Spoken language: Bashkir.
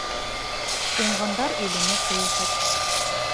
Уңғандар иленә сәйәхәт